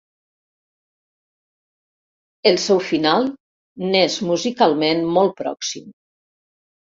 El seu final n'és musicalment molt pròxim.